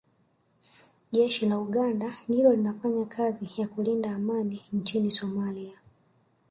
Jeshi la Uganda ndilo linafanya kazi ya kulinda Amani nchini Somalia